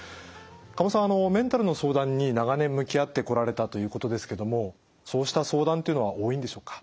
加茂さんメンタルの相談に長年向き合ってこられたということですけどもそうした相談っていうのは多いんでしょうか？